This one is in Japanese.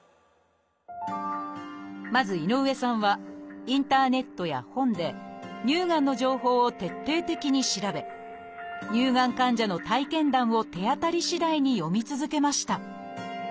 まず井上さんはインターネットや本で乳がんの情報を徹底的に調べ乳がん患者の体験談を手当たりしだいに読み続けました。